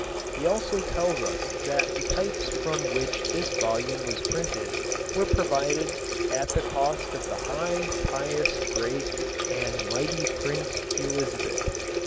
He also tells us that the types from which this volume was printed were provided "at the cost of the high, pious, great, and mighty prince Elizabeth."